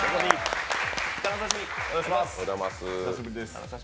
お久しぶりです。